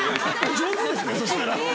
◆上手ですね、そしたら。